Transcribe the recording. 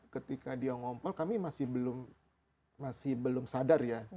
ketika dia ngompel kami masih belum sadar ya